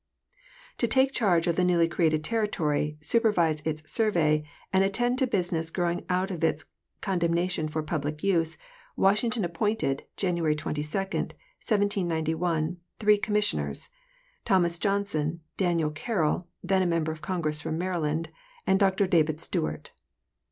To take charge of the newly created territory, supervise its survey, and attend to the business growing out of its con demnation for public use, Washington appointed, January 22, 1791, three commissioners, Thomas Johnson, Daniel Carroll, then a member of Congress from Maryland, and Dr David Stuart.